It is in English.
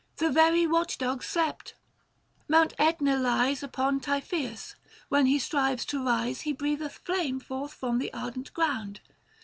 The very watch dogs slept. Mount iEtna lies Upon Typhoeus : when he strives to rise He breath eth flame forth from the ardent ground.